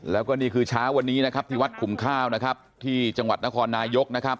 แล้วก็นี่คือเช้าวันนี้นะครับที่วัดขุมข้าวนะครับที่จังหวัดนครนายกนะครับ